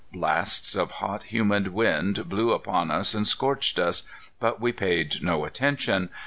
Blasts of hot, humid wind blew upon us and scorched us, but we paid no attention.